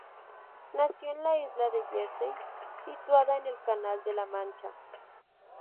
Nació en la isla de Jersey, situada en el Canal de la Mancha.